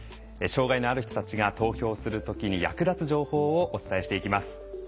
障害のある人たちが投票するときに役立つ情報をお伝えしていきます。